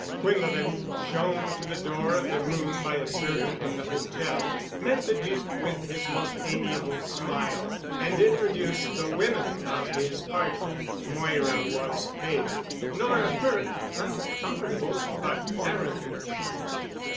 Quinlevin, shown to the door of the room by a servant of the hotel, met the Duc with his most amiable smile and introduced the women of his party. Moira was pale, Nora Burke uncomfortable but arrogant.